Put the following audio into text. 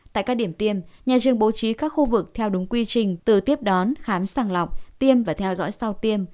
tại các điểm tiêm nhà riêng bố trí các khu vực theo đúng quy trình từ tiếp đón khám sàng lọc tiêm và theo dõi sau tiêm